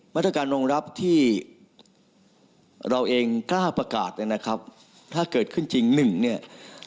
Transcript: มาตรการรองรับที่เราเองกล้าประกาศเนี่ยนะครับถ้าเกิดขึ้นจริงหนึ่งเนี่ย